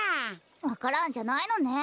わか蘭じゃないのね。